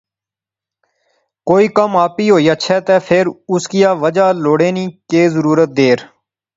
کوئی کم آپی ہوئی اچھے تہ فیر اس کیا وجہ لوڑنے نی کہہ ضرورت دیر